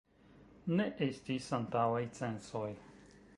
Ne estis antaŭaj censoj.